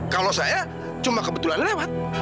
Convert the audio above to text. kalau saya cuma kebetulan lewat